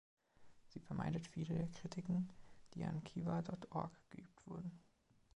Sie vermeidet viele der Kritiken, die an Kiva dot org geübt wurden.